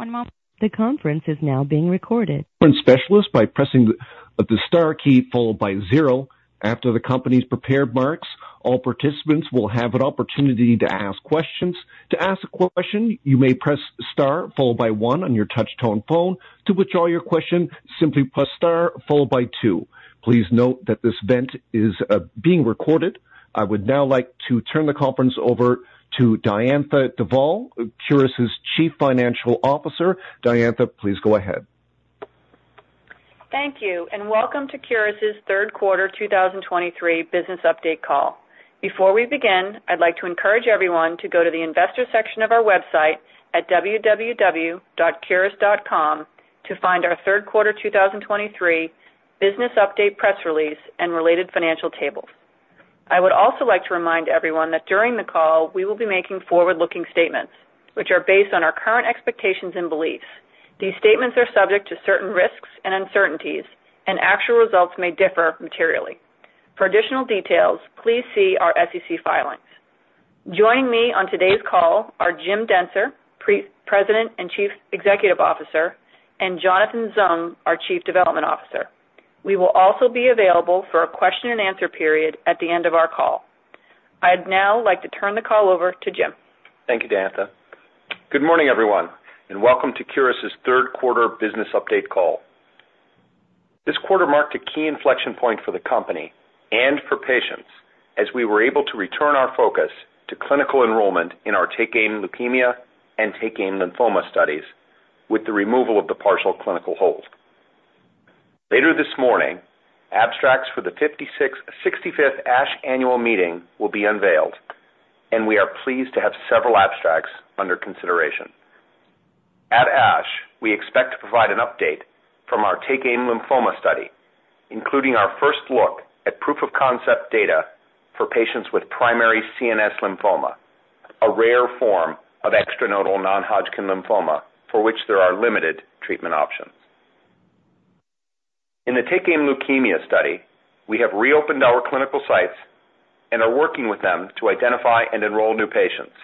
One moment. The conference is now being recorded. Specialists by pressing the star key followed by zero. After the company's prepared remarks, all participants will have an opportunity to ask questions. To ask a question, you may press star followed by one on your touchtone phone. To withdraw your question, simply press star followed by two. Please note that this event is being recorded. I would now like to turn the conference over to Diantha Duvall, Curis' Chief Financial Officer. Diantha, please go ahead. Thank you, and welcome to Curis' third quarter 2023 business update call. Before we begin, I'd like to encourage everyone to go to the investor section of our website at www.curis.com to find our third quarter 2023 business update press release and related financial tables. I would also like to remind everyone that during the call, we will be making forward-looking statements, which are based on our current expectations and beliefs. These statements are subject to certain risks and uncertainties, and actual results may differ materially. For additional details, please see our SEC filings. Joining me on today's call are Jim Dentzer, President and Chief Executive Officer, and Jonathan Zung, our Chief Development Officer. We will also be available for a question and answer period at the end of our call. I'd now like to turn the call over to Jim. Thank you, Diantha. Good morning, everyone, and welcome to Curis' third quarter business update call. This quarter marked a key inflection point for the company and for patients, as we were able to return our focus to clinical enrollment in our TakeAim Leukemia and TakeAim Lymphoma studies with the removal of the partial clinical hold. Later this morning, abstracts for the 65th ASH annual meeting will be unveiled, and we are pleased to have several abstracts under consideration. At ASH, we expect to provide an update from our TakeAim Lymphoma study, including our first look at proof of concept data for patients with primary CNS lymphoma, a rare form of extranodal non-Hodgkin lymphoma, for which there are limited treatment options. In the TakeAim Leukemia study, we have reopened our clinical sites and are working with them to identify and enroll new patients.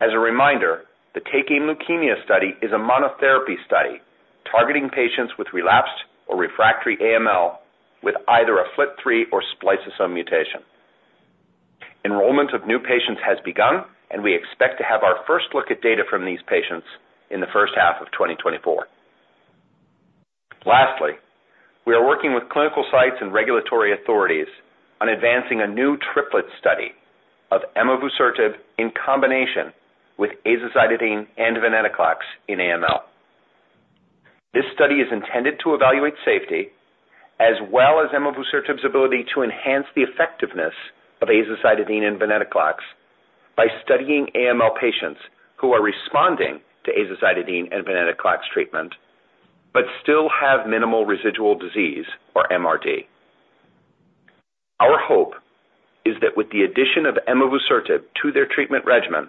As a reminder, the TakeAim Leukemia study is a monotherapy study targeting patients with relapsed or refractory AML with either a FLT3 or spliceosome mutation. Enrollment of new patients has begun, and we expect to have our first look at data from these patients in the first half of 2024. Lastly, we are working with clinical sites and regulatory authorities on advancing a new triplet study of emavusertib in combination with azacitidine and venetoclax in AML. This study is intended to evaluate safety, as well as emavusertib's ability to enhance the effectiveness of azacitidine and venetoclax by studying AML patients who are responding to azacitidine and venetoclax treatment, but still have minimal residual disease, or MRD. Our hope is that with the addition of emavusertib to their treatment regimen,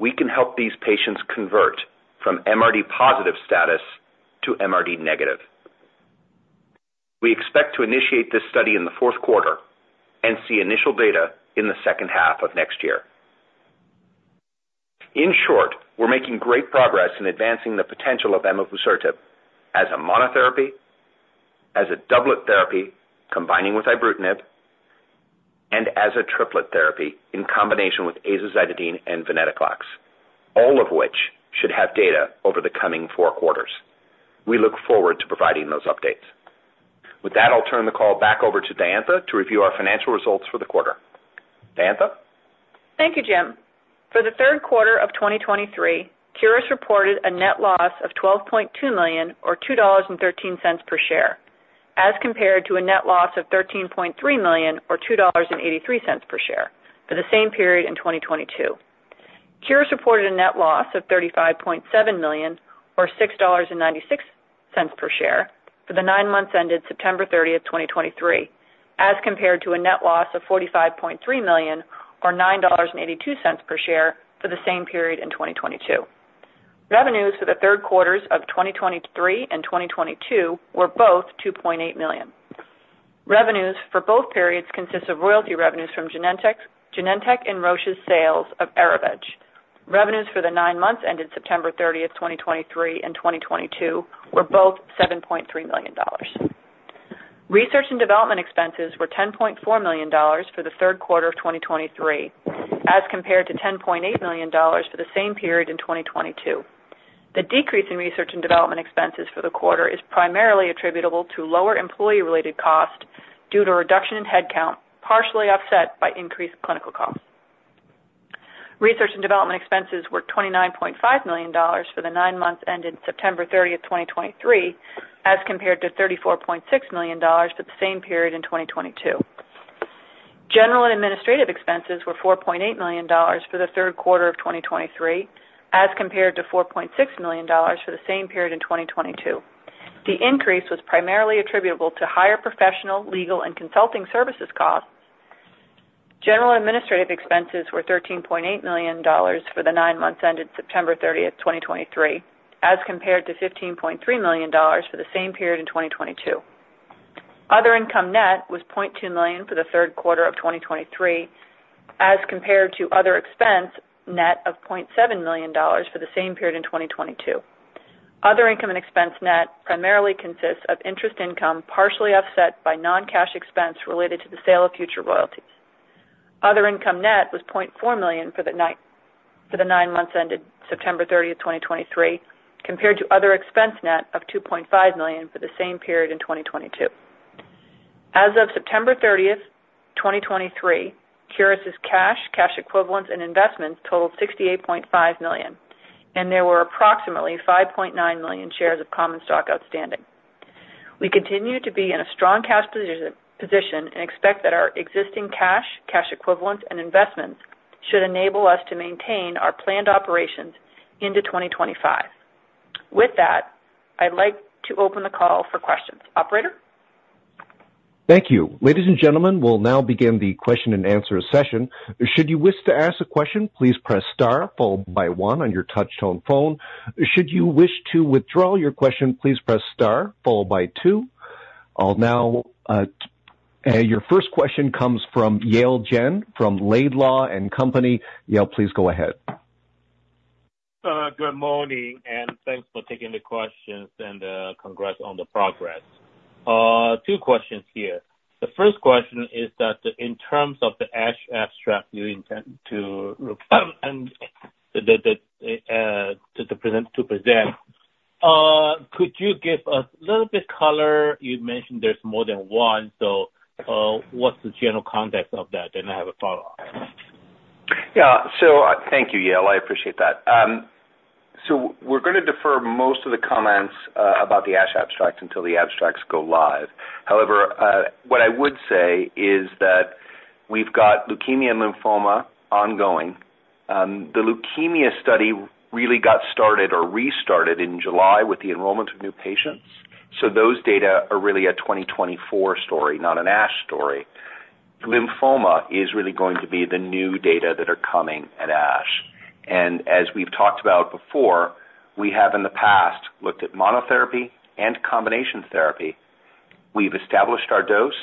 we can help these patients convert from MRD positive status to MRD negative. We expect to initiate this study in the fourth quarter and see initial data in the second half of next year. In short, we're making great progress in advancing the potential of emavusertib as a monotherapy, as a doublet therapy, combining with ibrutinib, and as a triplet therapy in combination with azacitidine and venetoclax, all of which should have data over the coming four quarters. We look forward to providing those updates. With that, I'll turn the call back over to Diantha to review our financial results for the quarter. Diantha? Thank you, Jim. For the third quarter of 2023, Curis reported a net loss of $12.2 million, or $2.13 per share, as compared to a net loss of $13.3 million, or $2.83 per share, for the same period in 2022. Curis reported a net loss of $35.7 million, or $6.96 per share, for the nine months ended September 30, 2023, as compared to a net loss of $45.3 million, or $9.82 per share, for the same period in 2022. Revenues for the third quarters of 2023 and 2022 were both $2.8 million. Revenues for both periods consist of royalty revenues from Genentech, Genentech and Roche's sales of Erivedge. Revenues for the nine months ended September 30, 2023, and 2022 were both $7.3 million. Research and development expenses were $10.4 million for the third quarter of 2023, as compared to $10.8 million for the same period in 2022. The decrease in research and development expenses for the quarter is primarily attributable to lower employee-related costs due to a reduction in headcount, partially offset by increased clinical costs. Research and development expenses were $29.5 million for the nine months ended September 30, 2023, as compared to $34.6 million for the same period in 2022. General and administrative expenses were $4.8 million for the third quarter of 2023, as compared to $4.6 million for the same period in 2022. The increase was primarily attributable to higher professional, legal, and consulting services costs. General and administrative expenses were $13.8 million for the nine months ended September 30, 2023, as compared to $15.3 million for the same period in 2022. ...Other income net was $0.2 million for the third quarter of 2023, as compared to other expense net of $0.7 million for the same period in 2022. Other income and expense net primarily consists of interest income, partially offset by non-cash expense related to the sale of future royalties. Other income net was $0.4 million for the nine months ended September 30, 2023, compared to other expense net of $2.5 million for the same period in 2022. As of September 30, 2023, Curis' cash, cash equivalents and investments totaled $68.5 million, and there were approximately 5.9 million shares of common stock outstanding. We continue to be in a strong cash position and expect that our existing cash, cash equivalents and investments should enable us to maintain our planned operations into 2025. With that, I'd like to open the call for questions. Operator? Thank you. Ladies and gentlemen, we'll now begin the question and answer session. Should you wish to ask a question, please press star followed by one on your touchtone phone. Should you wish to withdraw your question, please press star followed by two. I'll now your first question comes from Yale Jen, from Laidlaw & Company. Yale, please go ahead. Good morning, and thanks for taking the questions and congrats on the progress. Two questions here. The first question is that in terms of the ASH abstract you intend to present, could you give a little bit color? You've mentioned there's more than one, so what's the general context of that? Then I have a follow-up. Yeah. So thank you, Yale. I appreciate that. So we're gonna defer most of the comments about the ASH abstract until the abstracts go live. However, what I would say is that we've got leukemia and lymphoma ongoing. The leukemia study really got started or restarted in July with the enrollment of new patients. So those data are really a 2024 story, not an ASH story. Lymphoma is really going to be the new data that are coming at ASH. And as we've talked about before, we have in the past looked at monotherapy and combination therapy. We've established our dose,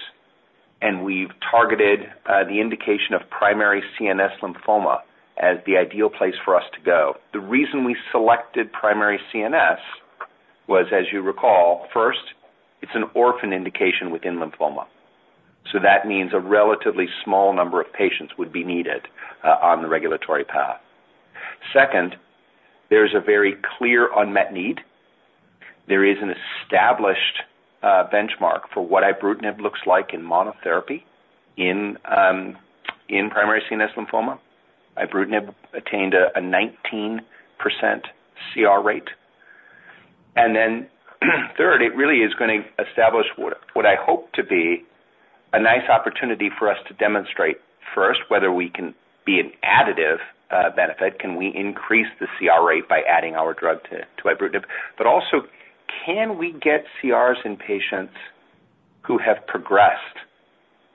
and we've targeted the indication of primary CNS lymphoma as the ideal place for us to go. The reason we selected primary CNS was, as you recall, first, it's an orphan indication within lymphoma. So that means a relatively small number of patients would be needed on the regulatory path. Second, there's a very clear unmet need. There is an established benchmark for what ibrutinib looks like in monotherapy. In primary CNS lymphoma, ibrutinib attained a 19% CR rate. And then, third, it really is gonna establish what I hope to be a nice opportunity for us to demonstrate, first, whether we can be an additive benefit. Can we increase the CR rate by adding our drug to ibrutinib? But also, can we get CRs in patients who have progressed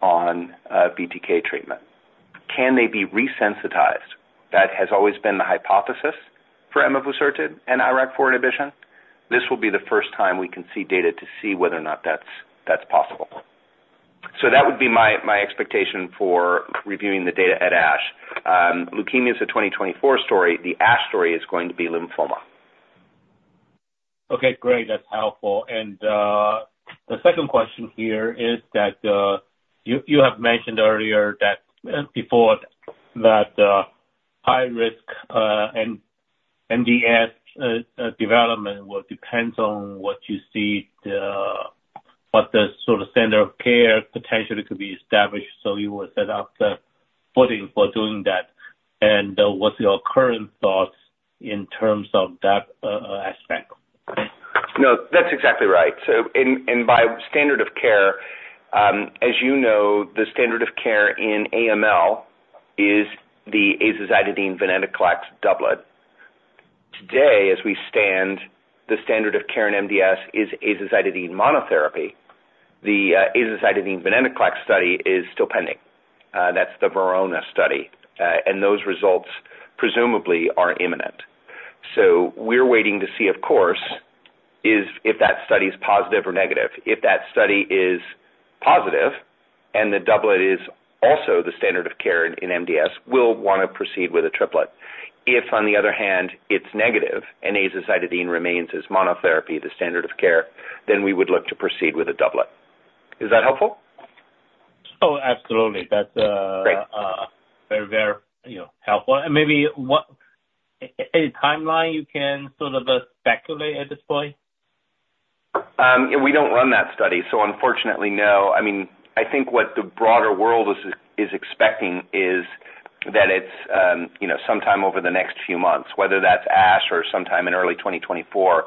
on BTK treatment? Can they be resensitized? That has always been the hypothesis for emavusertib and IRAK4 inhibition. This will be the first time we can see data to see whether or not that's possible. That would be my expectation for reviewing the data at ASH. Leukemia is a 2024 story. The ASH story is going to be lymphoma. Okay, great. That's helpful. And, the second question here is that, you have mentioned earlier that, before that, high risk, and MDS, development will depends on what you see, the, what the sort of standard of care potentially could be established, so you will set up the footing for doing that. And, what's your current thoughts in terms of that, aspect? No, that's exactly right. So, by standard of care, as you know, the standard of care in AML is the azacitidine venetoclax doublet. Today, as we stand, the standard of care in MDS is azacitidine monotherapy. The azacitidine venetoclax study is still pending. That's the VERONA study. And those results presumably are imminent. So we're waiting to see, of course, if that study is positive or negative. If that study is positive and the doublet is also the standard of care in MDS, we'll want to proceed with a triplet. If, on the other hand, it's negative and azacitidine remains as monotherapy, the standard of care, then we would look to proceed with a doublet. Is that helpful? Oh, absolutely. Great. That's very, very, you know, helpful. And maybe a timeline you can sort of speculate at this point? We don't run that study, so unfortunately, no. I mean, I think what the broader world is, is expecting is that it's, you know, sometime over the next few months, whether that's ASH or sometime in early 2024,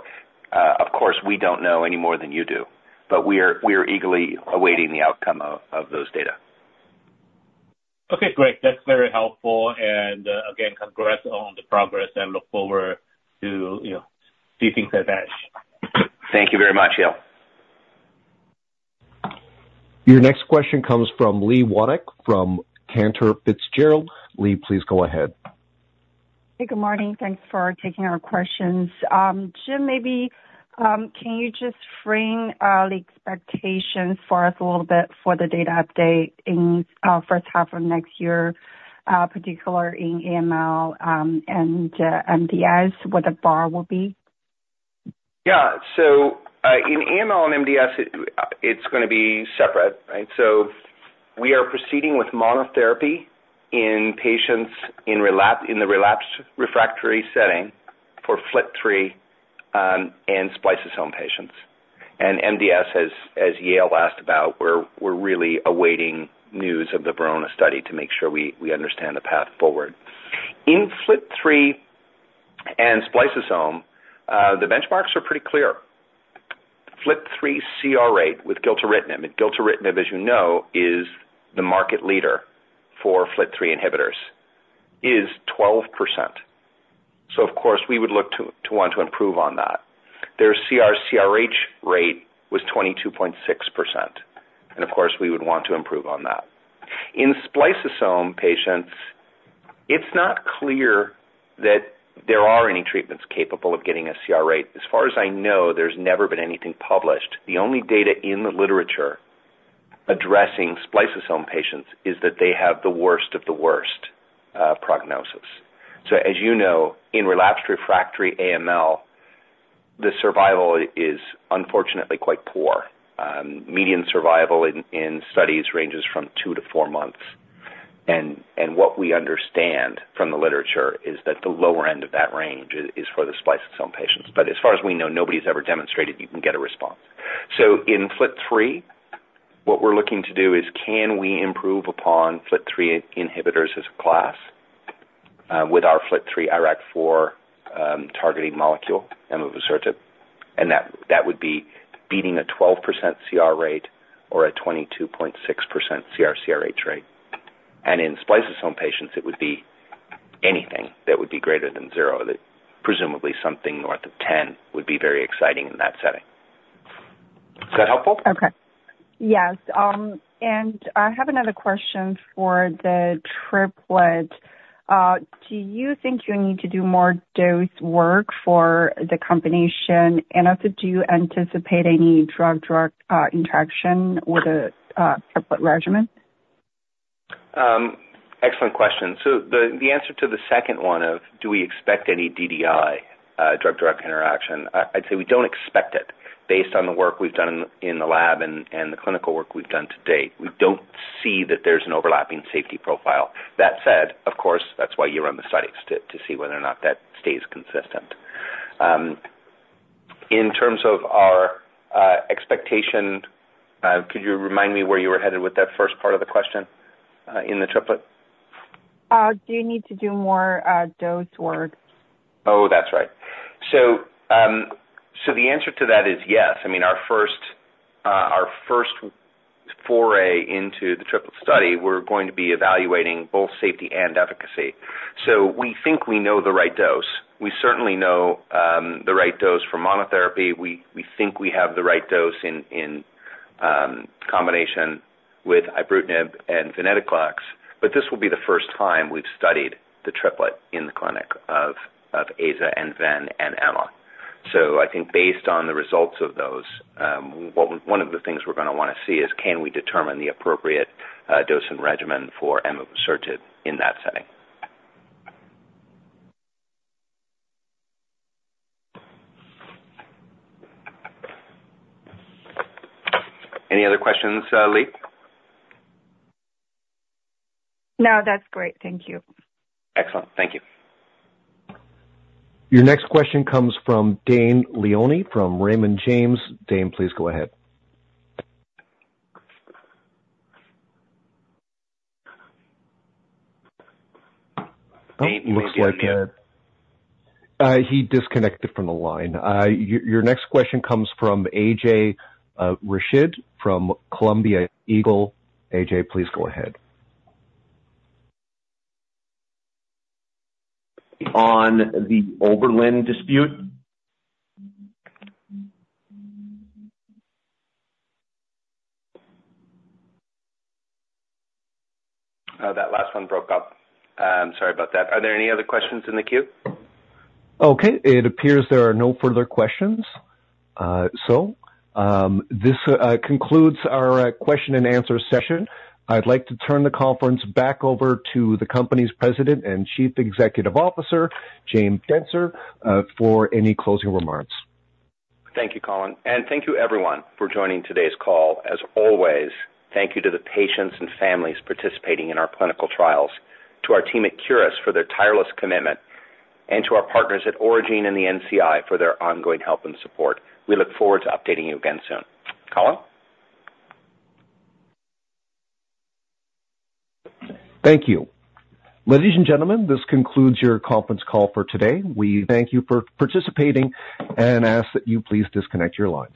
of course, we don't know any more than you do, but we are eagerly awaiting the outcome of those data. Okay, great. That's very helpful. Again, congrats on the progress and look forward to, you know, seeing things at ASH. Thank you very much, Yale. Your next question comes from Li Watsek from Cantor Fitzgerald. Lee, please go ahead. Hey, good morning. Thanks for taking our questions. Jim, maybe can you just frame the expectations for us a little bit for the data update in first half of next year, particularly in AML and MDS, what the bar will be? Yeah. So, in AML and MDS, it's gonna be separate, right? So we are proceeding with monotherapy in patients in the relapsed refractory setting for FLT3, and spliceosome patients. And MDS, as Yale asked about, we're really awaiting news of the VERONA study to make sure we understand the path forward. In FLT3 and spliceosome, the benchmarks are pretty clear. FLT3 CR rate with gilteritinib, and gilteritinib, as you know, is the market leader for FLT3 inhibitors, is 12%. So of course, we would look to want to improve on that. Their CR, CRh rate was 22.6%, and of course, we would want to improve on that. In spliceosome patients, it's not clear that there are any treatments capable of getting a CR rate. As far as I know, there's never been anything published. The only data in the literature addressing spliceosome patients is that they have the worst of the worst prognosis. So as you know, in relapsed refractory AML, the survival is unfortunately quite poor. Median survival in studies ranges from two-four months. What we understand from the literature is that the lower end of that range is for the spliceosome patients. But as far as we know, nobody's ever demonstrated you can get a response. So in FLT3, what we're looking to do is, can we improve upon FLT3 inhibitors as a class with our FLT3 IRAK4 targeting molecule, emavusertib, and that would be beating a 12% CR rate or a 22.6% CR, CRh rate. In spliceosome patients, it would be anything that would be greater than zero, that presumably something north of 10 would be very exciting in that setting. Is that helpful? Okay. Yes, and I have another question for the triplet. Do you think you need to do more dose work for the combination? And also, do you anticipate any drug-drug interaction with the triplet regimen? Excellent question. So the answer to the second one of, do we expect any DDI, drug-drug interaction? I'd say we don't expect it based on the work we've done in the lab and the clinical work we've done to date. We don't see that there's an overlapping safety profile. That said, of course, that's why you run the studies, to see whether or not that stays consistent. In terms of our expectation, could you remind me where you were headed with that first part of the question, in the triplet? Do you need to do more dose work? Oh, that's right. So, the answer to that is yes. I mean, our first foray into the triplet study, we're going to be evaluating both safety and efficacy. So we think we know the right dose. We certainly know the right dose for monotherapy. We think we have the right dose in combination with ibrutinib and venetoclax, but this will be the first time we've studied the triplet in the clinic of Aza and Ven and Ama. So I think based on the results of those, one of the things we're gonna wanna see is, can we determine the appropriate dose and regimen for emavusertib in that setting? Any other questions, Lee? No, that's great. Thank you. Excellent. Thank you. Your next question comes from Dane Leone, from Raymond James. Dane, please go ahead. Dane, are you there yet? Looks like he disconnected from the line. Your next question comes from A.J. Rashid from Columbia Eagle. A.J., please go ahead. On the Oberlin dispute? That last one broke up. Sorry about that. Are there any other questions in the queue? Okay, it appears there are no further questions. This concludes our question and answer session. I'd like to turn the conference back over to the company's President and Chief Executive Officer, James Dentzer, for any closing remarks. Thank you, Colin, and thank you everyone for joining today's call. As always, thank you to the patients and families participating in our clinical trials, to our team at Curis for their tireless commitment, and to our partners at Aurigene and the NCI for their ongoing help and support. We look forward to updating you again soon. Colin? Thank you. Ladies and gentlemen, this concludes your conference call for today. We thank you for participating and ask that you please disconnect your lines.